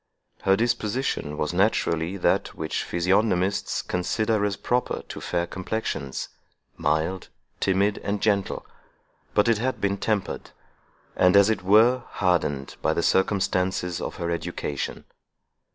Her disposition was naturally that which physiognomists consider as proper to fair complexions, mild, timid, and gentle; but it had been tempered, and, as it were, hardened, by the circumstances of her education.